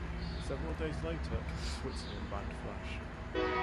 Several days later, Switzerland banned Flash.